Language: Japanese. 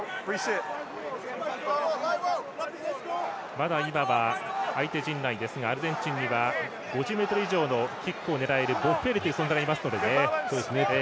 まだ今は相手陣内ですがアルゼンチンには５０ｍ以上のキックを狙えるボッフェーリという存在がいますのでね。